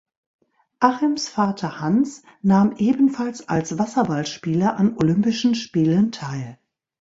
Achims Vater Hans nahm ebenfalls als Wasserballspieler an Olympischen Spielen teil.